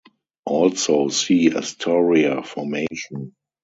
Also see Astoria Formation.